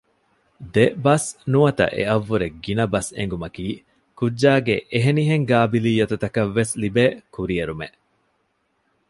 ދެ ބަސް ނުވަތަ އެއަށްވުރެ ގިނަ ބަސް އެނގުމަކީ ކުއްޖާގެ އެހެންނިހެން ގާބިލިއްޔަތުތަކަށް ވެސް ލިބޭ ކުރިއެރުމެއް